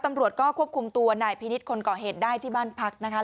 ตำรวจก็ควบคุมตัวนายพินิษฐ์คนก่อเหตุได้ที่บ้านพักนะคะ